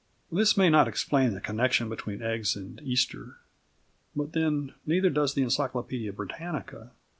This may not explain the connection between eggs and Easter. But then neither does The Encyclopædia Britannica.